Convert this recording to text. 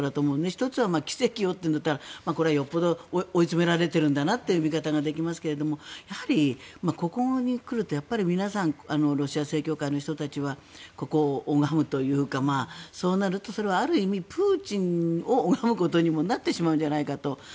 １つは奇跡をというんだったらこれはよっぽど追い詰められているんだなという見方ができますがここに来ると皆さん、ロシア正教会の人たちはここを拝むというかそうなると、それはある意味プーチンを拝むことにもなってしまうんじゃないかと。